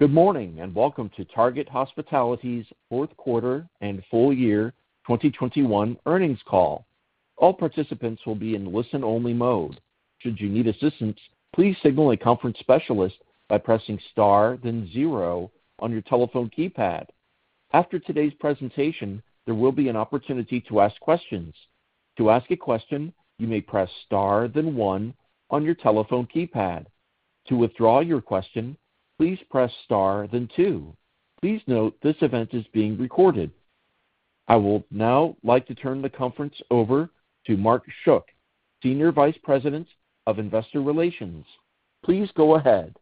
Good morning, and welcome to Target Hospitality's fourth quarter and full year 2021 earnings call. All participants will be in listen-only mode. Should you need assistance, please signal a conference specialist by pressing star, then zero on your telephone keypad. After today's presentation, there will be an opportunity to ask questions. To ask a question, you may press star then one on your telephone keypad. To withdraw your question, please press star then two. Please note this event is being recorded. I'd like to turn the conference over to Mark Schuck, Senior Vice President of Investor Relations. Please go ahead.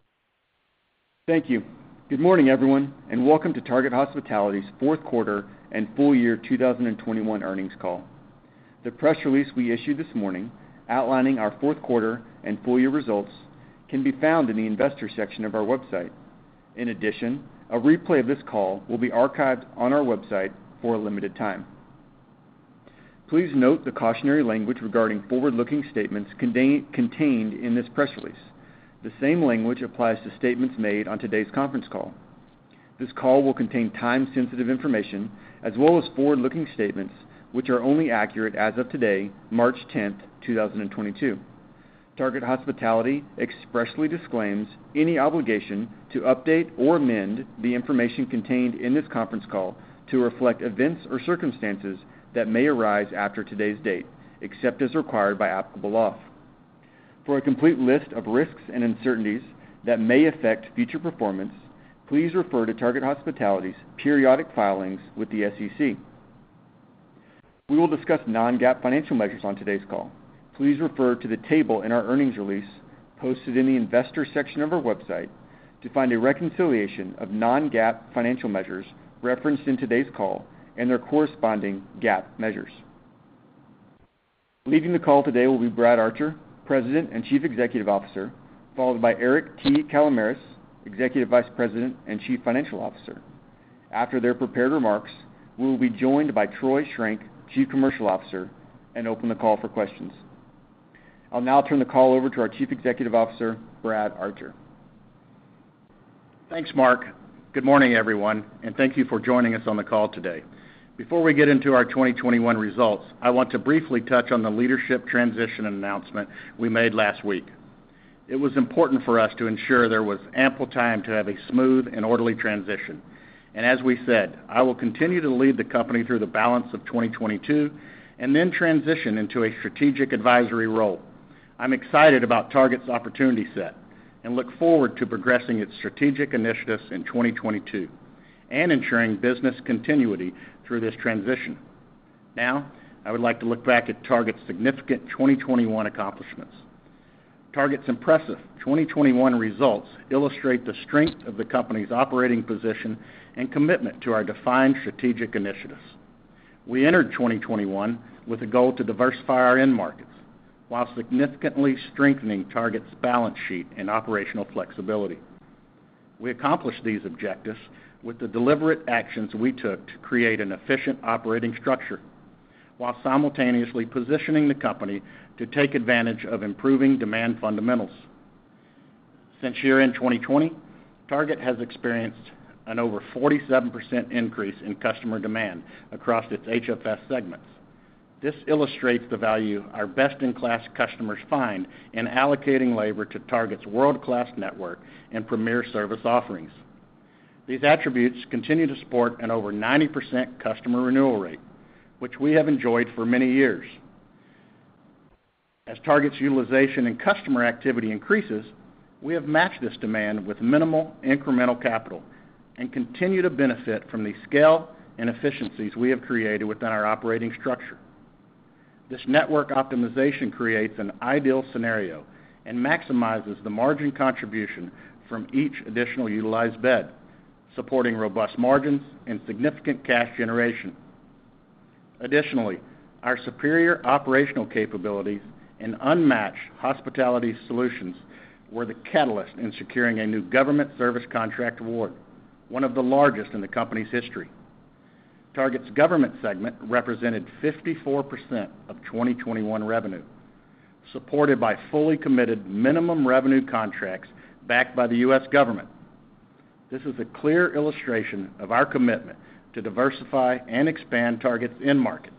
Thank you. Good morning, everyone, and welcome to Target Hospitality's fourth quarter and full year 2021 earnings call. The press release we issued this morning outlining our fourth quarter and full year results can be found in the investor section of our website. In addition, a replay of this call will be archived on our website for a limited time. Please note the cautionary language regarding forward-looking statements contained in this press release. The same language applies to statements made on today's conference call. This call will contain time-sensitive information, as well as forward-looking statements, which are only accurate as of today, March 10, 2022. Target Hospitality expressly disclaims any obligation to update or amend the information contained in this conference call to reflect events or circumstances that may arise after today's date, except as required by applicable law. For a complete list of risks and uncertainties that may affect future performance, please refer to Target Hospitality's periodic filings with the SEC. We will discuss non-GAAP financial measures on today's call. Please refer to the table in our earnings release posted in the investor section of our website to find a reconciliation of non-GAAP financial measures referenced in today's call and their corresponding GAAP measures. Leading the call today will be Brad Archer, President and Chief Executive Officer, followed by Eric T. Kalamaras, Executive Vice President and Chief Financial Officer. After their prepared remarks, we will be joined by Troy Schrank, Chief Commercial Officer, and open the call for questions. I'll now turn the call over to our Chief Executive Officer, Brad Archer. Thanks, Mark. Good morning, everyone, and thank you for joining us on the call today. Before we get into our 2021 results, I want to briefly touch on the leadership transition announcement we made last week. It was important for us to ensure there was ample time to have a smooth and orderly transition. As we said, I will continue to lead the company through the balance of 2022 and then transition into a strategic advisory role. I'm excited about Target's opportunity set and look forward to progressing its strategic initiatives in 2022 and ensuring business continuity through this transition. Now, I would like to look back at Target's significant 2021 accomplishments. Target's impressive 2021 results illustrate the strength of the company's operating position and commitment to our defined strategic initiatives. We entered 2021 with a goal to diversify our end markets while significantly strengthening Target's balance sheet and operational flexibility. We accomplished these objectives with the deliberate actions we took to create an efficient operating structure while simultaneously positioning the company to take advantage of improving demand fundamentals. Since year-end 2020, Target has experienced an over 47% increase in customer demand across its HFS segments. This illustrates the value our best-in-class customers find in allocating labor to Target's world-class network and premier service offerings. These attributes continue to support an over 90% customer renewal rate, which we have enjoyed for many years. As Target's utilization and customer activity increases, we have matched this demand with minimal incremental capital and continue to benefit from the scale and efficiencies we have created within our operating structure. This network optimization creates an ideal scenario and maximizes the margin contribution from each additional utilized bed, supporting robust margins and significant cash generation. Additionally, our superior operational capabilities and unmatched hospitality solutions were the catalyst in securing a new government service contract award, one of the largest in the company's history. Target Hospitality's Government segment represented 54% of 2021 revenue, supported by fully committed minimum revenue contracts backed by the U.S. government. This is a clear illustration of our commitment to diversify and expand Target Hospitality's end markets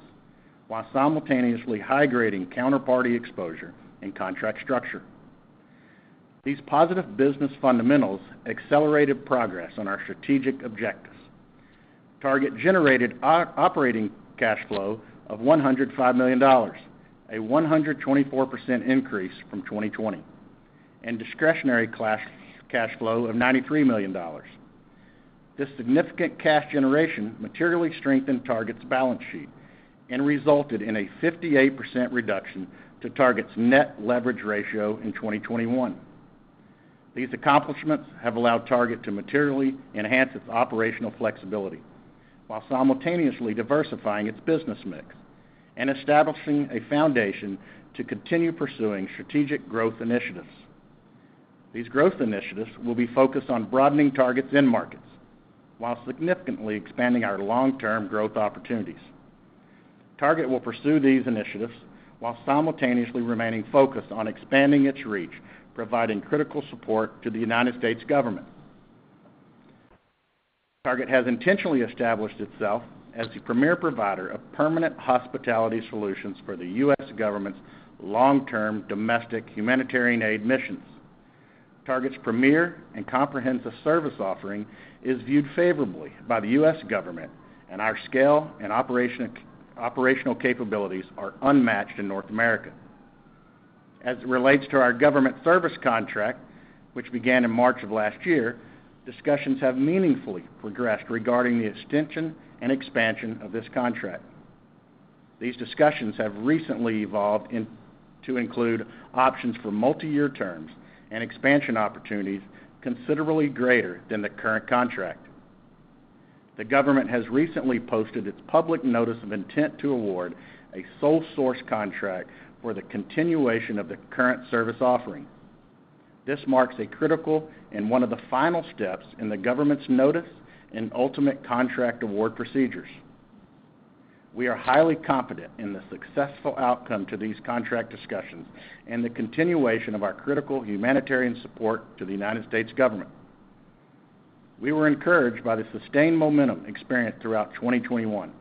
while simultaneously high-grading counterparty exposure and contract structure. These positive business fundamentals accelerated progress on our strategic objectives. Target Hospitality generated operating cash flow of $105 million, a 124% increase from 2020, and discretionary cash flow of $93 million. This significant cash generation materially strengthened Target's balance sheet and resulted in a 58% reduction to Target's net leverage ratio in 2021. These accomplishments have allowed Target to materially enhance its operational flexibility while simultaneously diversifying its business mix and establishing a foundation to continue pursuing strategic growth initiatives. These growth initiatives will be focused on broadening Target's end markets while significantly expanding our long-term growth opportunities. Target will pursue these initiatives while simultaneously remaining focused on expanding its reach, providing critical support to the United States government. Target has intentionally established itself as the premier provider of permanent hospitality solutions for the U.S. government's long-term domestic humanitarian aid missions. Target's premier and comprehensive service offering is viewed favorably by the U.S. government, and our scale and operational capabilities are unmatched in North America. As it relates to our government service contract, which began in March of last year, discussions have meaningfully progressed regarding the extension and expansion of this contract. These discussions have recently evolved into include options for multi-year terms and expansion opportunities considerably greater than the current contract. The government has recently posted its public notice of intent to award a sole source contract for the continuation of the current service offering. This marks a critical and one of the final steps in the government's notice and ultimate contract award procedures. We are highly confident in the successful outcome to these contract discussions and the continuation of our critical humanitarian support to the United States government. We were encouraged by the sustained momentum experienced throughout 2021,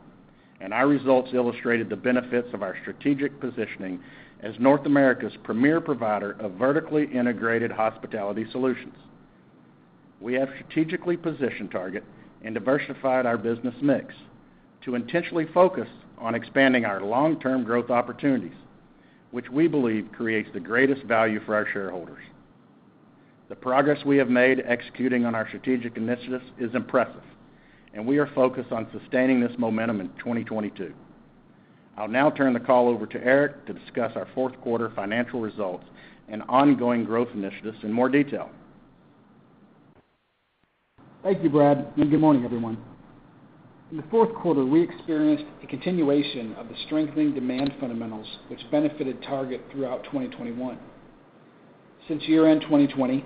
and our results illustrated the benefits of our strategic positioning as North America's premier provider of vertically integrated hospitality solutions. We have strategically positioned Target and diversified our business mix to intentionally focus on expanding our long-term growth opportunities, which we believe creates the greatest value for our shareholders. The progress we have made executing on our strategic initiatives is impressive, and we are focused on sustaining this momentum in 2022. I'll now turn the call over to Eric to discuss our fourth quarter financial results and ongoing growth initiatives in more detail. Thank you, Brad, and good morning, everyone. In the fourth quarter, we experienced a continuation of the strengthening demand fundamentals which benefited Target throughout 2021. Since year-end 2020,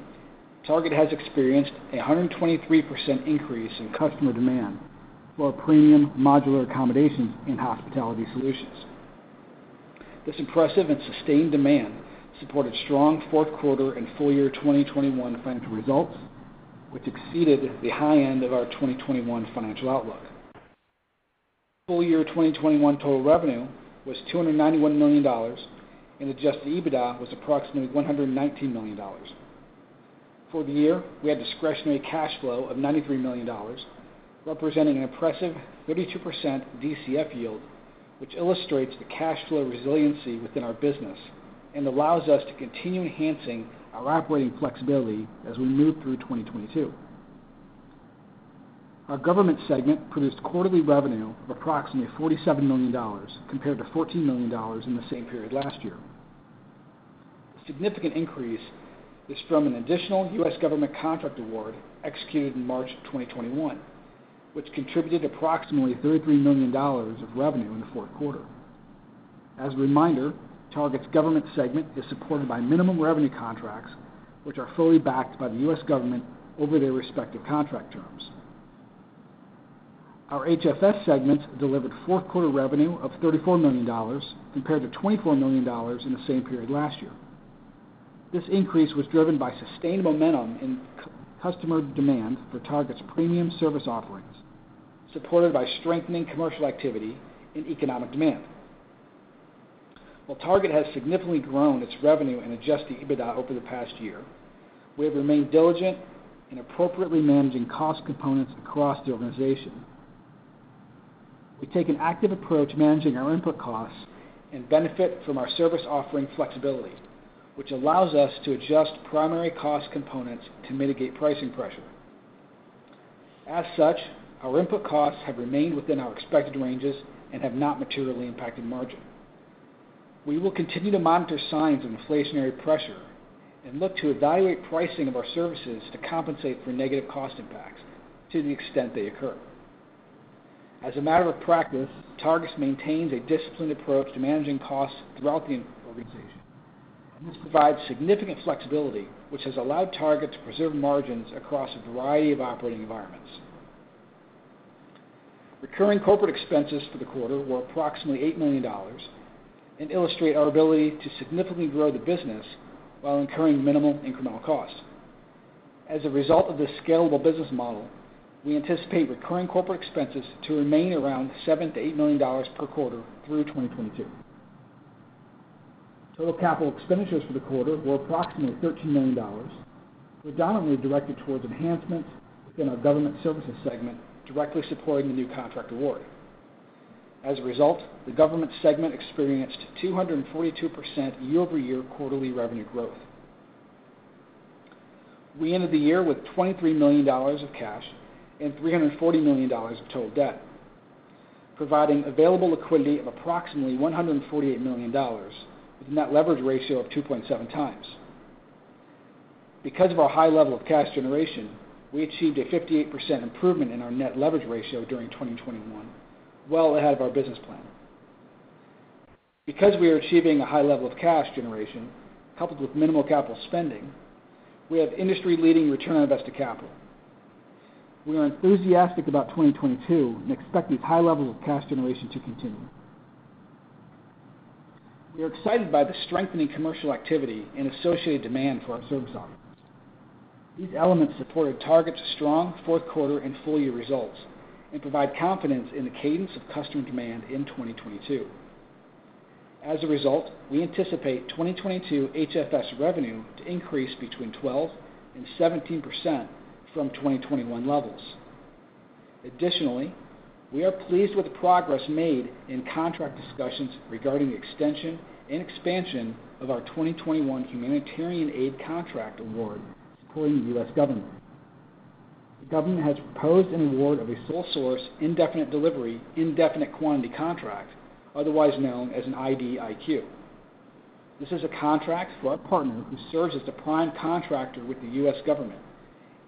Target has experienced a 123% increase in customer demand for our premium modular accommodations and hospitality solutions. This impressive and sustained demand supported strong fourth quarter and full year 2021 financial results, which exceeded the high end of our 2021 financial outlook. Full year 2021 total revenue was $291 million, and adjusted EBITDA was approximately $119 million. For the year, we had discretionary cash flow of $93 million, representing an impressive 32% DCF yield, which illustrates the cash flow resiliency within our business and allows us to continue enhancing our operating flexibility as we move through 2022. Our Government segment produced quarterly revenue of approximately $47 million compared to $14 million in the same period last year. Significant increase is from an additional U.S. government contract award executed in March 2021, which contributed approximately $33 million of revenue in the fourth quarter. As a reminder, Target's Government segment is supported by minimum revenue contracts, which are fully backed by the U.S. government over their respective contract terms. Our HFS segment delivered fourth quarter revenue of $34 million compared to $24 million in the same period last year. This increase was driven by sustained momentum in customer demand for Target's premium service offerings, supported by strengthening commercial activity and economic demand. While Target has significantly grown its revenue and adjusted EBITDA over the past year, we have remained diligent in appropriately managing cost components across the organization. We take an active approach managing our input costs and benefit from our service offering flexibility, which allows us to adjust primary cost components to mitigate pricing pressure. As such, our input costs have remained within our expected ranges and have not materially impacted margin. We will continue to monitor signs of inflationary pressure and look to evaluate pricing of our services to compensate for negative cost impacts to the extent they occur. As a matter of practice, Target maintains a disciplined approach to managing costs throughout the organization, and this provides significant flexibility, which has allowed Target to preserve margins across a variety of operating environments. Recurring corporate expenses for the quarter were approximately $8 million and illustrate our ability to significantly grow the business while incurring minimal incremental costs. As a result of this scalable business model, we anticipate recurring corporate expenses to remain around $7 million-$8 million per quarter through 2022. Total capital expenditures for the quarter were approximately $13 million, predominantly directed towards enhancements within our Government segment, directly supporting the new contract award. As a result, the Government segment experienced 242% year-over-year quarterly revenue growth. We ended the year with $23 million of cash and $340 million of total debt, providing available liquidity of approximately $148 million with a net leverage ratio of 2.7x. Because of our high level of cash generation, we achieved a 58% improvement in our net leverage ratio during 2021, well ahead of our business plan. Because we are achieving a high level of cash generation, coupled with minimal capital spending, we have industry-leading return on invested capital. We are enthusiastic about 2022 and expect these high levels of cash generation to continue. We are excited by the strengthening commercial activity and associated demand for our service offerings. These elements support Target's strong fourth quarter and full-year results and provide confidence in the cadence of customer demand in 2022. As a result, we anticipate 2022 HFS revenue to increase between 12% and 17% from 2021 levels. Additionally, we are pleased with the progress made in contract discussions regarding the extension and expansion of our 2021 humanitarian aid contract award supporting the U.S. government. The government has proposed an award of a sole source, indefinite delivery, indefinite quantity contract, otherwise known as an IDIQ. This is a contract for our partner who serves as the prime contractor with the U.S. government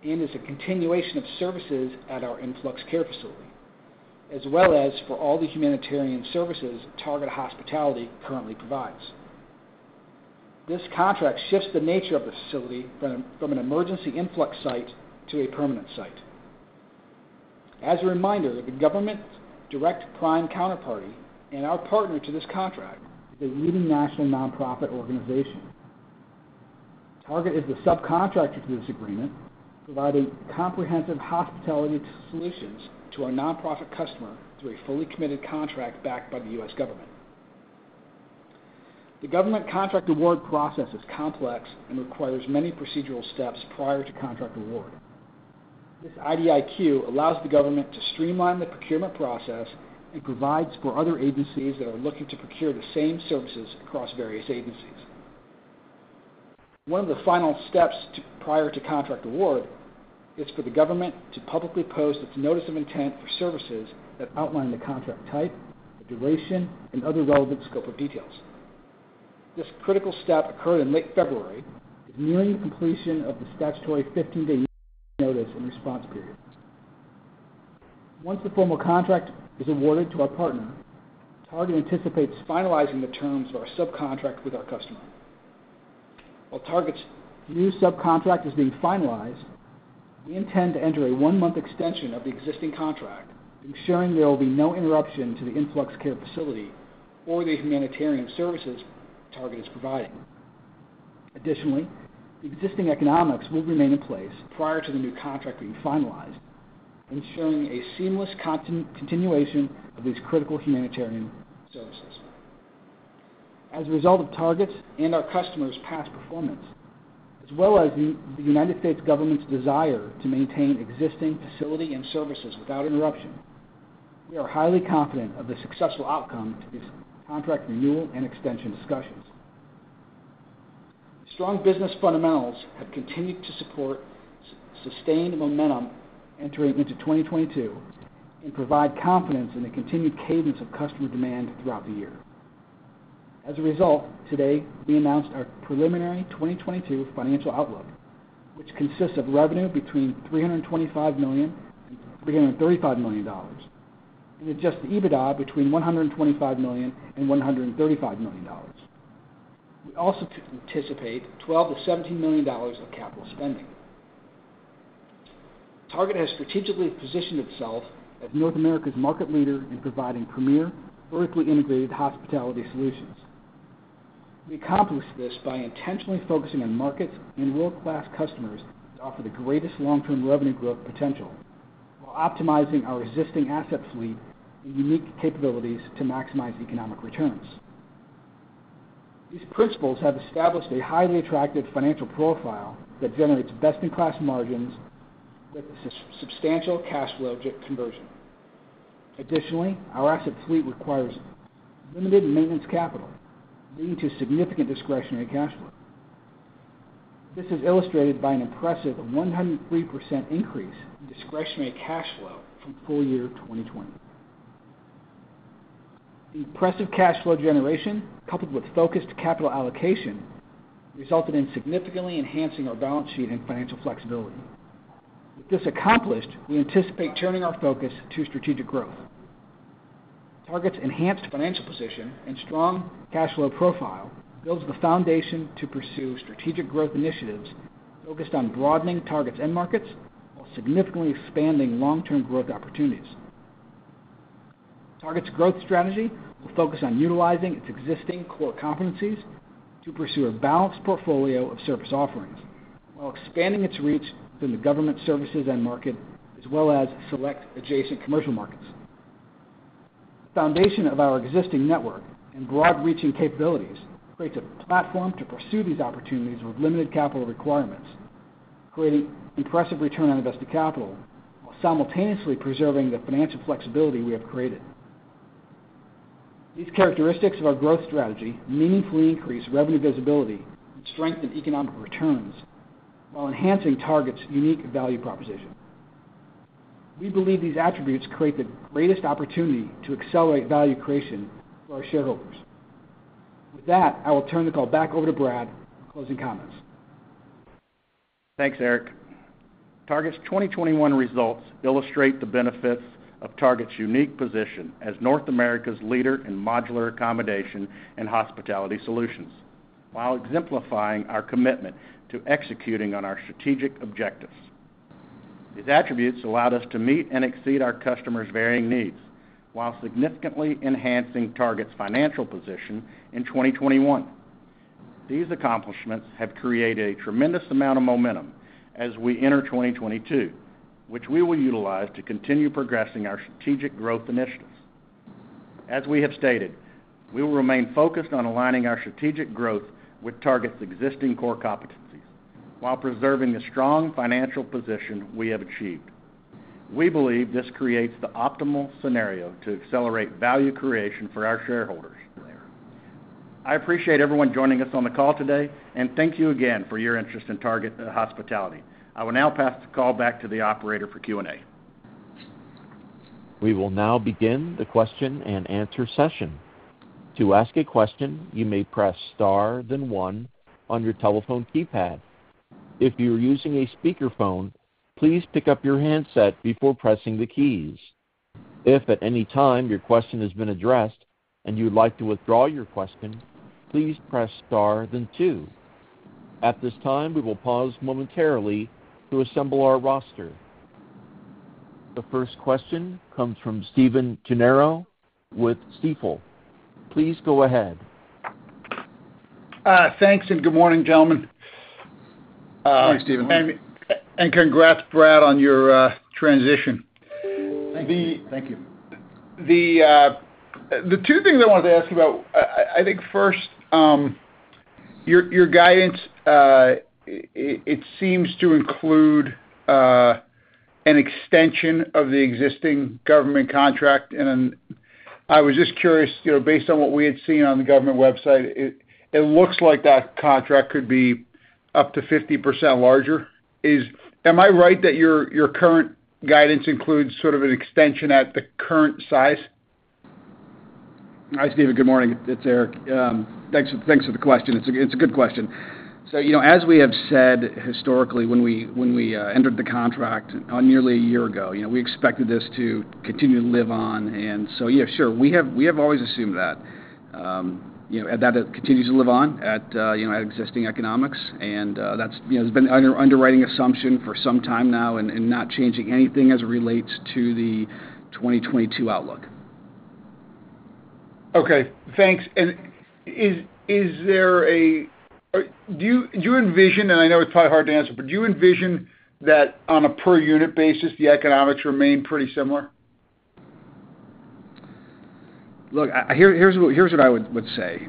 and is a continuation of services at our influx care facility, as well as for all the humanitarian services Target Hospitality currently provides. This contract shifts the nature of the facility from an emergency influx site to a permanent site. As a reminder, the government direct prime counterparty and our partner to this contract is a leading national nonprofit organization. Target is the subcontractor to this agreement, providing comprehensive hospitality solutions to our nonprofit customer through a fully committed contract backed by the U.S. government. The government contract award process is complex and requires many procedural steps prior to contract award. This IDIQ allows the government to streamline the procurement process and provides for other agencies that are looking to procure the same services across various agencies. One of the final steps prior to contract award is for the government to publicly post its Notice of Intent to Award that outlines the contract type, the duration, and other relevant scope of details. This critical step occurred in late February, nearing completion of the statutory 50-day notice and response period. Once the formal contract is awarded to our partner, Target anticipates finalizing the terms of our subcontract with our customer. While Target's new subcontract is being finalized, we intend to enter a one-month extension of the existing contract, ensuring there will be no interruption to the influx care facility or the humanitarian services Target is providing. Additionally, the existing economics will remain in place prior to the new contract being finalized, ensuring a seamless continuation of these critical humanitarian services. As a result of Target's and our customers' past performance, as well as the United States government's desire to maintain existing facility and services without interruption, we are highly confident of the successful outcome to these contract renewal and extension discussions. Strong business fundamentals have continued to support sustained momentum entering into 2022 and provide confidence in the continued cadence of customer demand throughout the year. As a result, today, we announced our preliminary 2022 financial outlook, which consists of revenue between $325 million and $335 million and adjusted EBITDA between $125 million and $135 million. We also anticipate $12 million-$17 million of capital spending. Target has strategically positioned itself as North America's market leader in providing premier, vertically integrated hospitality solutions. We accomplish this by intentionally focusing on markets and world-class customers that offer the greatest long-term revenue growth potential while optimizing our existing asset fleet and unique capabilities to maximize economic returns. These principles have established a highly attractive financial profile that generates best-in-class margins with substantial cash flow conversion. Additionally, our asset fleet requires limited maintenance capital, leading to significant discretionary cash flow. This is illustrated by an impressive 103% increase in discretionary cash flow from full year 2020. The impressive cash flow generation, coupled with focused capital allocation, resulted in significantly enhancing our balance sheet and financial flexibility. With this accomplished, we anticipate turning our focus to strategic growth. Target's enhanced financial position and strong cash flow profile builds the foundation to pursue strategic growth initiatives focused on broadening Target's end markets while significantly expanding long-term growth opportunities. Target's growth strategy will focus on utilizing its existing core competencies to pursue a balanced portfolio of service offerings while expanding its reach within the government services end market as well as select adjacent commercial markets. The foundation of our existing network and broad-reaching capabilities creates a platform to pursue these opportunities with limited capital requirements, creating impressive return on invested capital while simultaneously preserving the financial flexibility we have created. These characteristics of our growth strategy meaningfully increase revenue visibility and strengthen economic returns while enhancing Target's unique value proposition. We believe these attributes create the greatest opportunity to accelerate value creation for our shareholders. With that, I will turn the call back over to Brad for closing comments. Thanks, Eric. Target's 2021 results illustrate the benefits of Target's unique position as North America's leader in modular accommodation and hospitality solutions. While exemplifying our commitment to executing on our strategic objectives. These attributes allowed us to meet and exceed our customers' varying needs, while significantly enhancing Target's financial position in 2021. These accomplishments have created a tremendous amount of momentum as we enter 2022, which we will utilize to continue progressing our strategic growth initiatives. As we have stated, we will remain focused on aligning our strategic growth with Target's existing core competencies while preserving the strong financial position we have achieved. We believe this creates the optimal scenario to accelerate value creation for our shareholders. I appreciate everyone joining us on the call today, and thank you again for your interest in Target Hospitality. I will now pass the call back to the operator for Q&A. We will now begin the question-and-answer session. To ask a question, you may press star then one on your telephone keypad. If you're using a speakerphone, please pick up your handset before pressing the keys. If at any time your question has been addressed and you would like to withdraw your question, please press star then two. At this time, we will pause momentarily to assemble our roster. The first question comes from Stephen Gengaro with Stifel. Please go ahead. Thanks, and good morning, gentlemen. Good morning, Stephen. Congrats, Brad, on your transition. Thank you. Thank you. The two things I wanted to ask about, I think first, your guidance, it seems to include an extension of the existing government contract. I was just curious, you know, based on what we had seen on the government website, it looks like that contract could be up to 50% larger. Am I right that your current guidance includes sort of an extension at the current size? Hi, Stephen. Good morning. It's Eric. Thanks for the question. It's a good question. You know, as we have said historically when we entered the contract nearly a year ago, you know, we expected this to continue to live on. Yeah, sure, we have always assumed that, you know, that it continues to live on at existing economics. That's, you know, it's been an underwriting assumption for some time now and not changing anything as it relates to the 2022 outlook. Okay, thanks. Do you envision, and I know it's probably hard to answer, but do you envision that on a per unit basis, the economics remain pretty similar? Look, here's what I would say.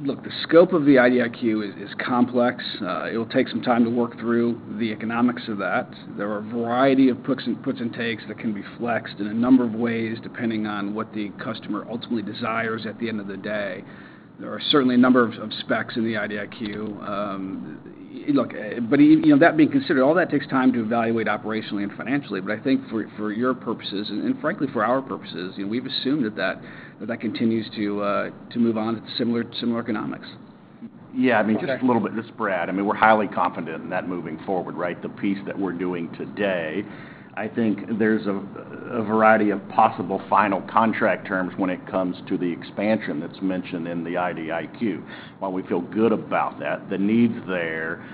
The scope of the IDIQ is complex. It'll take some time to work through the economics of that. There are a variety of puts and takes that can be flexed in a number of ways, depending on what the customer ultimately desires at the end of the day. There are certainly a number of specs in the IDIQ. Look, you know, that being considered, all that takes time to evaluate operationally and financially. I think for your purposes and frankly for our purposes, you know, we've assumed that that continues to move on at similar economics. Yeah, I mean, just a little bit. This is Brad. I mean, we're highly confident in that moving forward, right? The piece that we're doing today, I think there's a variety of possible final contract terms when it comes to the expansion that's mentioned in the IDIQ. While we feel good about that, the need's there.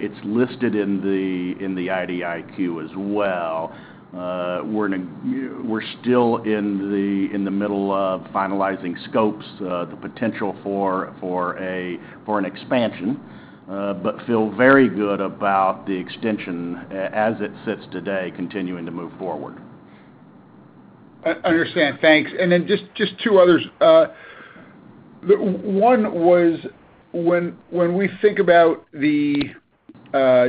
It's listed in the IDIQ as well. We're still in the middle of finalizing scopes, the potential for an expansion, but feel very good about the extension as it sits today continuing to move forward. Understood. Thanks. Then just two others. One was when we think about the.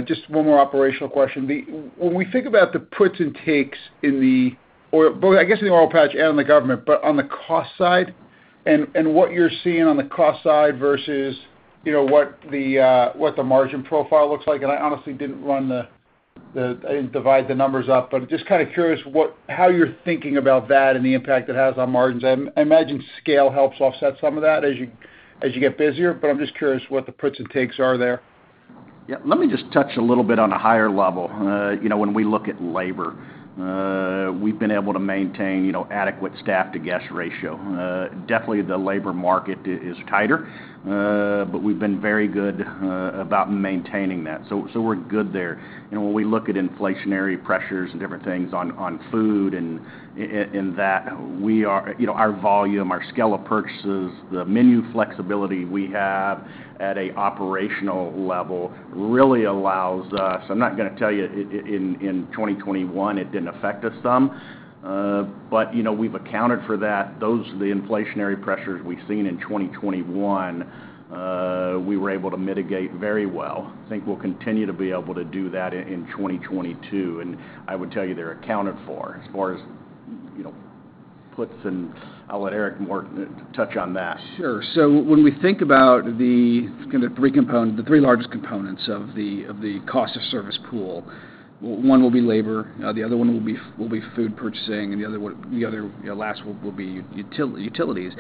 Just one more operational question. When we think about the puts and takes in the. Or both, I guess, in the oil patch and in the government, but on the cost side and what you're seeing on the cost side versus, you know, what the margin profile looks like. I honestly didn't divide the numbers up, but I'm just kind of curious how you're thinking about that and the impact it has on margins. I imagine scale helps offset some of that as you get busier, but I'm just curious what the puts and takes are there. Yeah. Let me just touch a little bit on a higher level. You know, when we look at labor, we've been able to maintain, you know, adequate staff-to-guest ratio. Definitely the labor market is tighter, but we've been very good about maintaining that. So we're good there. You know, when we look at inflationary pressures and different things on food and that, we are. You know, our volume, our scale of purchases, the menu flexibility we have at an operational level really allows us. I'm not gonna tell you in 2021 it didn't affect us some, but, you know, we've accounted for that. Those the inflationary pressures we've seen in 2021, we were able to mitigate very well. I think we'll continue to be able to do that in 2022, and I would tell you they're accounted for as far as, you know, puts and I'll let Eric touch on that more. Sure. When we think about the three largest components of the cost of service pool, one will be labor, the other one will be food purchasing, and the other, you know, last one will be utilities.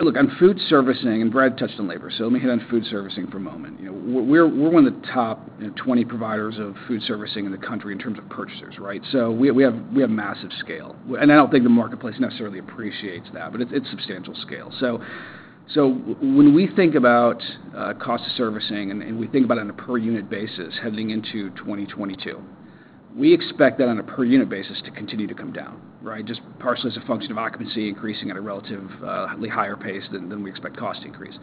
Look, on food service, and Brad touched on labor, so let me hit on food service for a moment. You know, we're one of the top, you know, 20 providers of food service in the country in terms of purchasers, right? We have massive scale. I don't think the marketplace necessarily appreciates that, but it's substantial scale. When we think about cost of servicing and we think about it on a per unit basis heading into 2022, we expect that on a per unit basis to continue to come down, right? Just partially as a function of occupancy increasing at a relatively higher pace than we expect cost increase.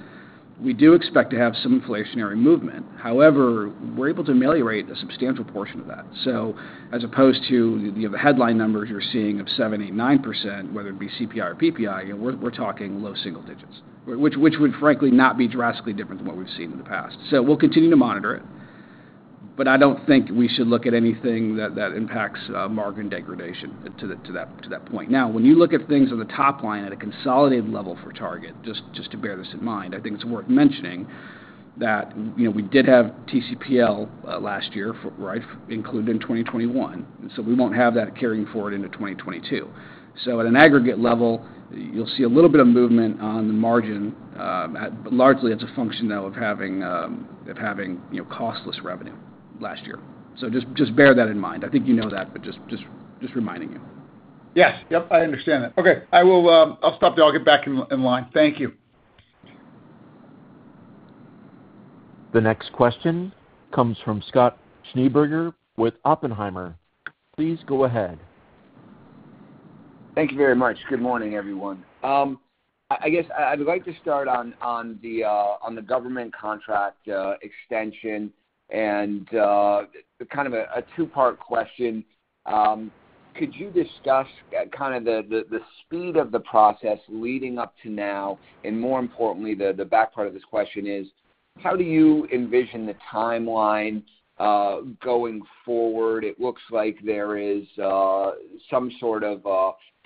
We do expect to have some inflationary movement. However, we're able to ameliorate a substantial portion of that. As opposed to, you know, the headline numbers you're seeing of 7, 8, 9%, whether it be CPI or PPI, you know, we're talking low single digits, which would frankly not be drastically different than what we've seen in the past. We'll continue to monitor it, but I don't think we should look at anything that impacts margin degradation to that point. Now, when you look at things on the top line at a consolidated level for Target, just to bear this in mind, I think it's worth mentioning that, you know, we did have TCPL last year, right, included in 2021. We won't have that carrying forward into 2022. At an aggregate level, you'll see a little bit of movement on the margin, but largely it's a function though of having, you know, costless revenue last year. Just bear that in mind. I think you know that, but just reminding you. Yes. Yep, I understand that. Okay. I will, I'll stop there. I'll get back in line. Thank you. The next question comes from Scott Schneeberger with Oppenheimer. Please go ahead. Thank you very much. Good morning, everyone. I guess I'd like to start on the government contract extension and kind of a two-part question. Could you discuss kind of the speed of the process leading up to now? More importantly, the back part of this question is, how do you envision the timeline going forward? It looks like there is some sort of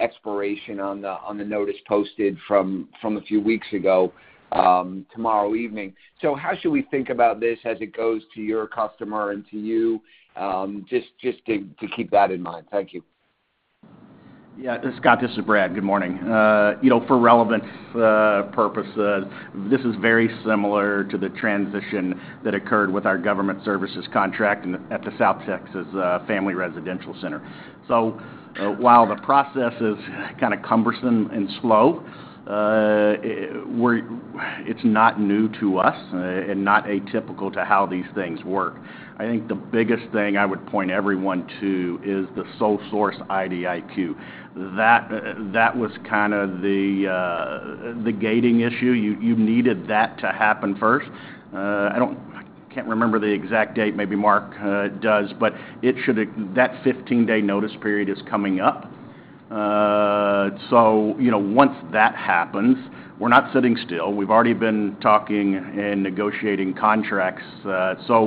expiration on the notice posted from a few weeks ago tomorrow evening. How should we think about this as it goes to your customer and to you just to keep that in mind? Thank you. Yeah. Scott, this is Brad. Good morning. You know, for relevance purposes, this is very similar to the transition that occurred with our government services contract at the South Texas Family Residential Center. While the process is kinda cumbersome and slow, it's not new to us and not atypical to how these things work. I think the biggest thing I would point everyone to is the sole source IDIQ. That was kind of the gating issue. You needed that to happen first. I can't remember the exact date, maybe Mark does, but that 15-day notice period is coming up. You know, once that happens, we're not sitting still. We've already been talking and negotiating contracts. Look,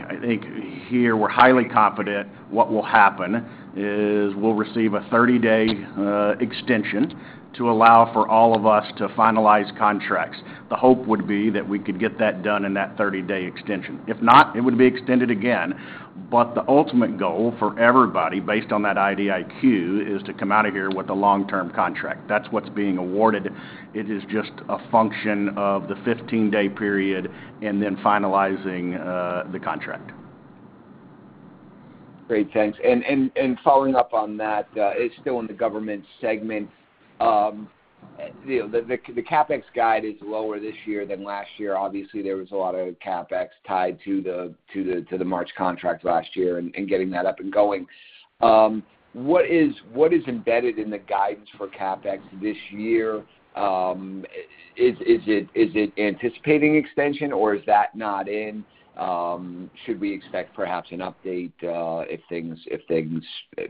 I think here we're highly confident what will happen is we'll receive a 30-day extension to allow for all of us to finalize contracts. The hope would be that we could get that done in that 30-day extension. If not, it would be extended again. The ultimate goal for everybody based on that IDIQ is to come out of here with a long-term contract. That's what's being awarded. It is just a function of the 15-day period and then finalizing the contract. Great. Thanks. Following up on that, it's still in the Government segment. You know, the CapEx guide is lower this year than last year. Obviously, there was a lot of CapEx tied to the March contract last year and getting that up and going. What is embedded in the guidance for CapEx this year? Is it anticipating extension or is that not in? Should we expect perhaps an update if things,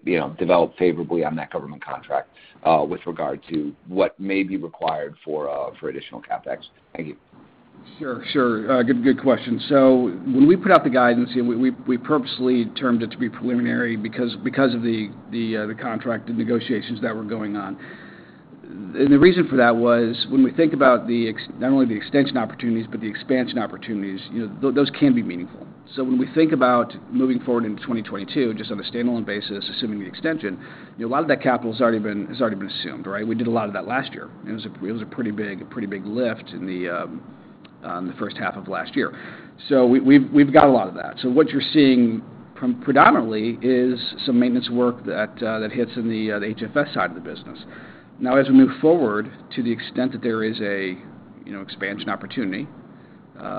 you know, develop favorably on that government contract with regard to what may be required for additional CapEx? Thank you. Sure. Good question. When we put out the guidance, we purposely termed it to be preliminary because of the contract negotiations that were going on. The reason for that was when we think about not only the extension opportunities, but the expansion opportunities, you know, those can be meaningful. When we think about moving forward into 2022, just on a standalone basis, assuming the extension, you know, a lot of that capital has already been assumed, right? We did a lot of that last year, and it was a pretty big lift in the first half of last year. We've got a lot of that. What you're seeing from predominantly is some maintenance work that hits in the HFS side of the business. Now, as we move forward, to the extent that there is a you know expansion opportunity,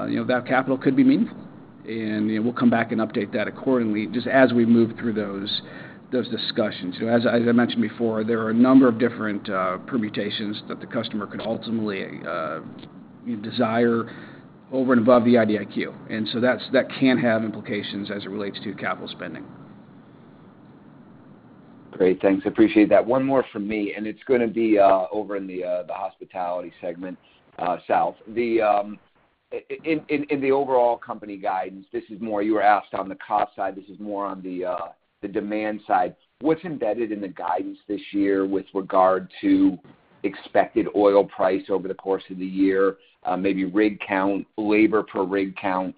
you know that capital could be meaningful. You know, we'll come back and update that accordingly just as we move through those discussions. As I mentioned before, there are a number of different permutations that the customer could ultimately desire over and above the IDIQ. That can have implications as it relates to capital spending. Great. Thanks. Appreciate that. One more from me, and it's gonna be over in the Hospitality segment, South. In the overall company guidance, this is more, you were asked on the cost side, this is more on the demand side. What's embedded in the guidance this year with regard to expected oil price over the course of the year, maybe rig count, labor per rig count?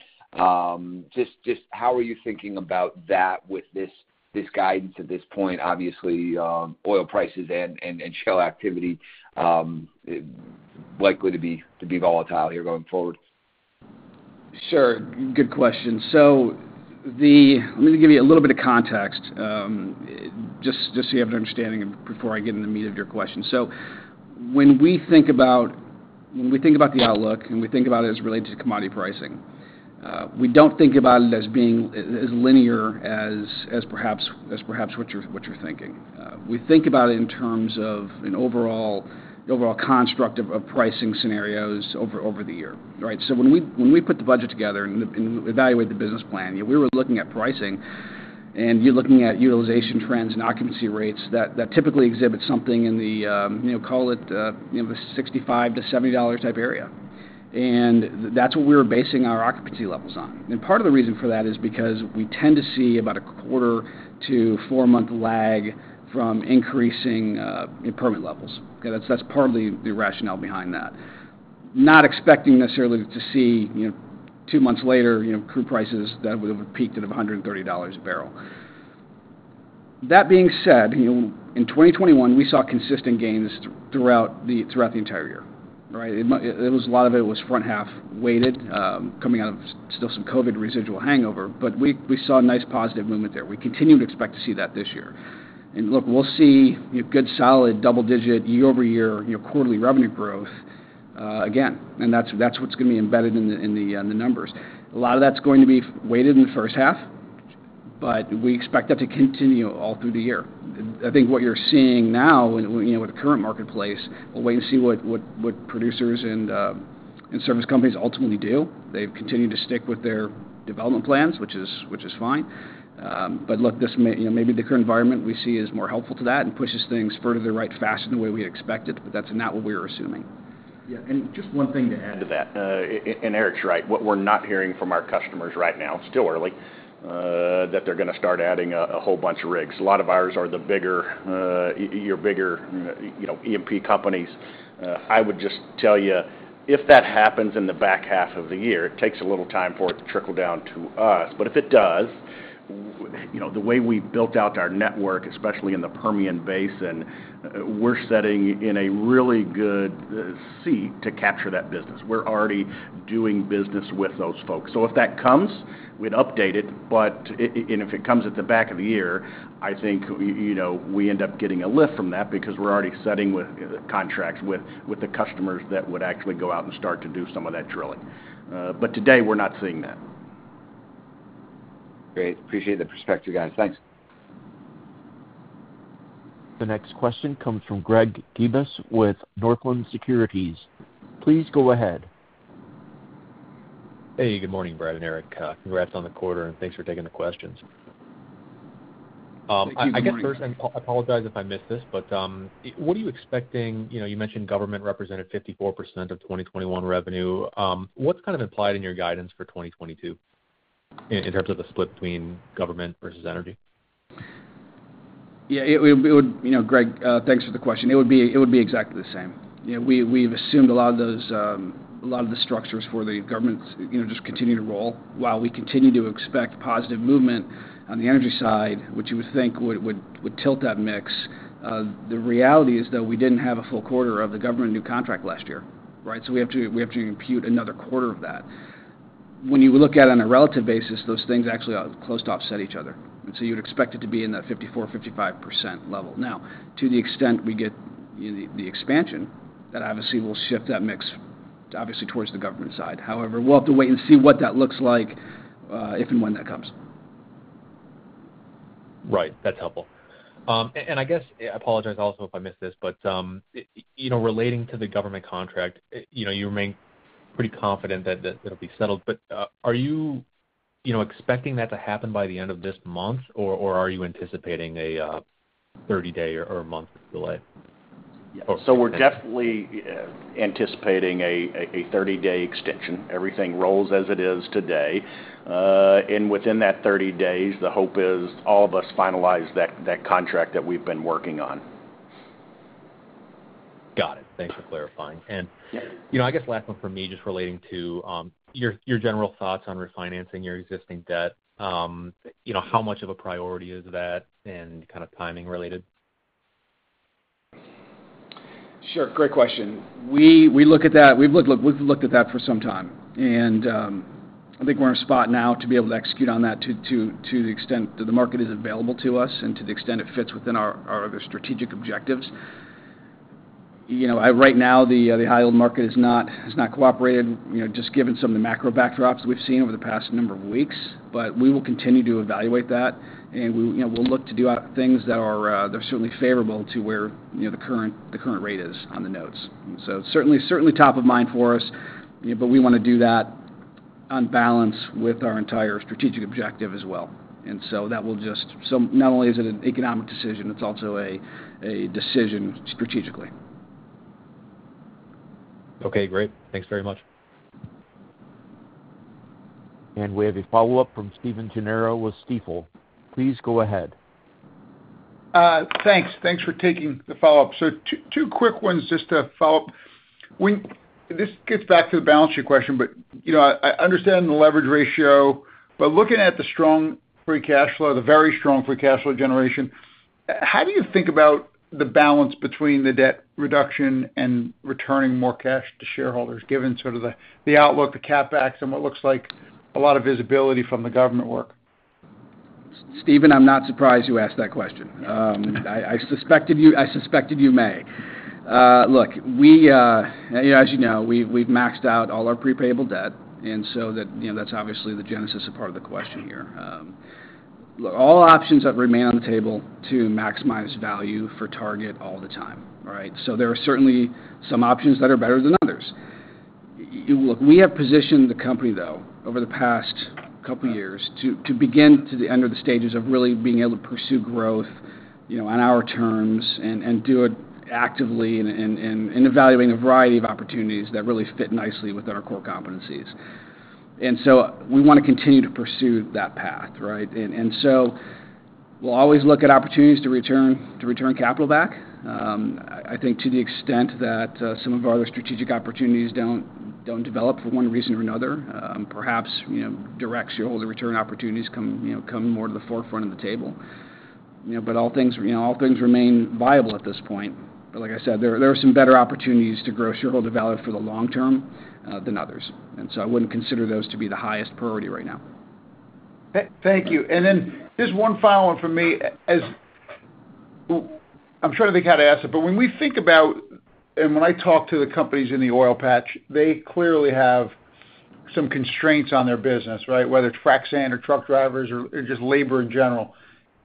Just how are you thinking about that with this guidance at this point? Obviously, oil prices and shale activity likely to be volatile here going forward. Sure. Good question. Let me give you a little bit of context, just so you have an understanding before I get in the meat of your question. When we think about the outlook and we think about it as it relates to commodity pricing, we don't think about it as being as linear as perhaps what you're thinking. We think about it in terms of an overall construct of pricing scenarios over the year, right? When we put the budget together and evaluate the business plan, we were looking at pricing and we're looking at utilization trends and occupancy rates that typically exhibit something in the, call it, the $65-$70 type area. That's what we were basing our occupancy levels on. Part of the reason for that is because we tend to see about a quarter- to 4-month lag from increasing permit levels. That's part of the rationale behind that. Not expecting necessarily to see, you know, 2 months later, you know, crude prices that would have peaked at $130 a barrel. That being said, you know, in 2021, we saw consistent gains throughout the entire year, right? It was a lot of it was front-half weighted, coming out of still some COVID residual hangover. We saw a nice positive movement there. We continue to expect to see that this year. Look, we'll see a good solid double-digit year-over-year, you know, quarterly revenue growth again, and that's what's gonna be embedded in the numbers. A lot of that's going to be weighted in the first half, but we expect that to continue all through the year. I think what you're seeing now with the current marketplace, we'll wait and see what producers and service companies ultimately do. They've continued to stick with their development plans, which is fine. Look, you know, maybe the current environment we see is more helpful to that and pushes things further to the right faster than the way we expected, but that's not what we are assuming. Yeah. Just one thing to add to that. Eric's right. What we're not hearing from our customers right now, it's still early, that they're gonna start adding a whole bunch of rigs. A lot of ours are the bigger, your bigger, you know, E&P companies. I would just tell you, if that happens in the back half of the year, it takes a little time for it to trickle down to us. If it does, you know, the way we built out our network, especially in the Permian Basin, we're sitting in a really good seat to capture that business. We're already doing business with those folks. If that comes, we'd update it. If it comes at the back of the year, I think, you know, we end up getting a lift from that because we're already set with contracts with the customers that would actually go out and start to do some of that drilling. Today we're not seeing that. Great. Appreciate the perspective, guys. Thanks. The next question comes from Greg Gibas with Northland Securities. Please go ahead. Hey, good morning, Brad and Eric. Congrats on the quarter, and thanks for taking the questions. Thank you. Good morning. I guess first, I apologize if I missed this, but what are you expecting? You know, you mentioned Government represented 54% of 2021 revenue. What's kind of implied in your guidance for 2022 in terms of the split between Government versus energy? Yeah, it would. You know, Greg, thanks for the question. It would be exactly the same. You know, we've assumed a lot of the structures for the government just continue to roll. While we continue to expect positive movement on the energy side, which you would think would tilt that mix, the reality is, though, we didn't have a full quarter of the government new contract last year, right? So we have to impute another quarter of that. When you look at it on a relative basis, those things actually close to offset each other. You'd expect it to be in that 54%-55% level. Now, to the extent we get, you know, the expansion, that obviously will shift that mix obviously towards the government side. However, we'll have to wait and see what that looks like, if and when that comes. Right. That's helpful. I guess I apologize also if I missed this, but you know, relating to the government contract, you know, you remain pretty confident that it'll be settled. Are you know, expecting that to happen by the end of this month, or are you anticipating a 30-day or a month delay? Yeah. We're definitely anticipating a 30-day extension. Everything rolls as it is today. Within that 30 days, the hope is all of us finalize that contract that we've been working on. Got it. Thanks for clarifying. You know, I guess last one from me, just relating to your general thoughts on refinancing your existing debt. You know, how much of a priority is that and kind of timing related? Sure. Great question. We look at that. We've looked at that for some time, and I think we're in a spot now to be able to execute on that to the extent that the market is available to us and to the extent it fits within our other strategic objectives. You know, right now, the high yield market has not cooperated, you know, just given some of the macro backdrops we've seen over the past number of weeks. We will continue to evaluate that, and we, you know, we'll look to do things that are they're certainly favorable to where, you know, the current rate is on the notes. Certainly top of mind for us, you know, but we wanna do that on balance with our entire strategic objective as well. Not only is it an economic decision, it's also a decision strategically. Okay, great. Thanks very much. We have a follow-up from Stephen Gengaro with Stifel. Please go ahead. Thanks for taking the follow-up. So two quick ones just to follow up. This gets back to the balance sheet question, but, you know, I understand the leverage ratio, but looking at the strong free cash flow, the very strong free cash flow generation. How do you think about the balance between the debt reduction and returning more cash to shareholders given sort of the outlook, the CapEx, and what looks like a lot of visibility from the government work? Stephen, I'm not surprised you asked that question. I suspected you may. Look, you know, as you know, we've maxed out all our prepayable debt, and so that, you know, that's obviously the genesis of part of the question here. Look, all options have remained on the table to maximize value for Target all the time, right? So there are certainly some options that are better than others. Look, we have positioned the company though over the past couple years to begin to enter the stages of really being able to pursue growth, you know, on our terms and do it actively and evaluating a variety of opportunities that really fit nicely with our core competencies. We wanna continue to pursue that path, right? We'll always look at opportunities to return capital back. I think to the extent that some of our other strategic opportunities don't develop for one reason or another, perhaps, you know, direct shareholder return opportunities come, you know, more to the forefront of the table. You know, but all things remain viable at this point. But like I said, there are some better opportunities to grow shareholder value for the long term than others. I wouldn't consider those to be the highest priority right now. Thank you. Then just one follow-up from me. I'm trying to think how to ask it, but when we think about, and when I talk to the companies in the oil patch, they clearly have some constraints on their business, right? Whether it's frac sand or truck drivers or just labor in general.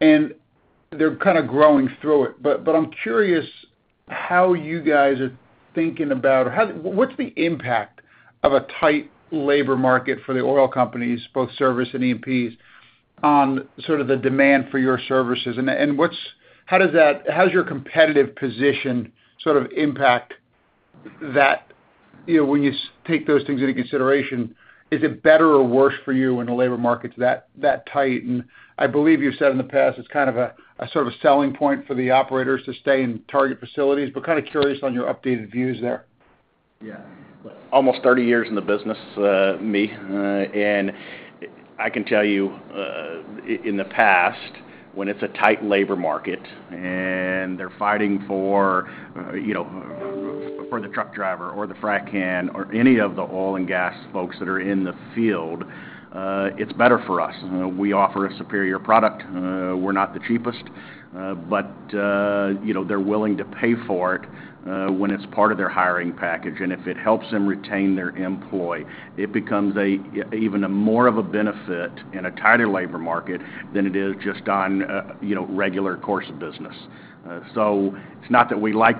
They're kinda growing through it. I'm curious how you guys are thinking about or how. What's the impact of a tight labor market for the oil companies, both service and E&Ps, on sort of the demand for your services? What's how does that, how does your competitive position sort of impact that? You know, when you take those things into consideration, is it better or worse for you when the labor market's that tight? I believe you've said in the past, it's kind of a sort of selling point for the operators to stay in Target facilities. Kinda curious on your updated views there. Yeah. Almost 30 years in the business, and I can tell you, in the past, when it's a tight labor market and they're fighting for, you know, for the truck driver or the frac hand or any of the oil and gas folks that are in the field, it's better for us. We offer a superior product. We're not the cheapest, but, you know, they're willing to pay for it, when it's part of their hiring package. And if it helps them retain their employee, it becomes even more of a benefit in a tighter labor market than it is just on, you know, regular course of business. So it's not that we like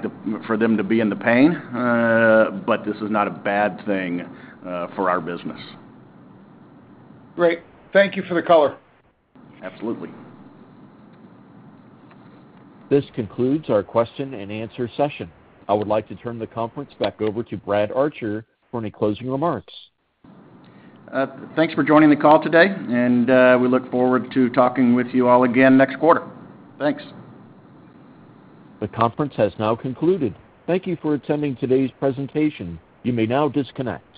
for them to be in the pain, but this is not a bad thing, for our business. Great. Thank you for the color. Absolutely. This concludes our question-and-answer session. I would like to turn the conference back over to Brad Archer for any closing remarks. Thanks for joining the call today, and we look forward to talking with you all again next quarter. Thanks. The conference has now concluded. Thank you for attending today's presentation. You may now disconnect.